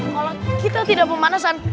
kalau kita tidak pemanasan